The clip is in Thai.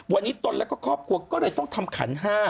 วันนี้ตนแล้วก็ครอบครัวก็เลยต้องทำขัน๕